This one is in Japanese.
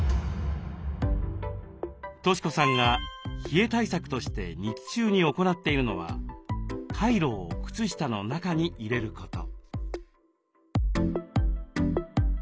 俊子さんが冷え対策として日中に行っているのはカイロを靴下の中に入れること。